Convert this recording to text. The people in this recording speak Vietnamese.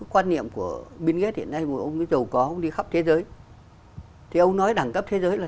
quan niệm của bill gates hiện nay mà ông mới giàu có đi khắp thế giới thì ông nói đẳng cấp thế giới là